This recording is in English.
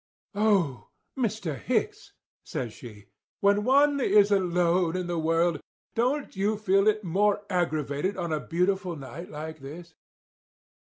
"'Oh, Mr. Hicks,' says she, 'when one is alone in the world, don't they feel it more aggravated on a beautiful night like this?